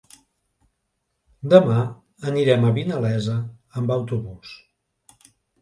Demà anirem a Vinalesa amb autobús.